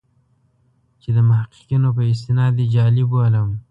چې د محققینو په استناد یې جعلي بولم.